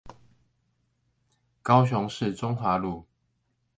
高雄市中華路